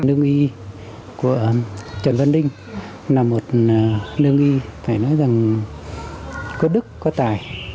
lương y của trần văn đinh là một lương y phải nói rằng có đức có tài